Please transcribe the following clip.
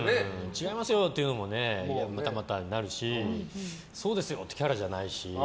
違いますよっていうのもまたまたってなるしそうですよっていうキャラじゃないし。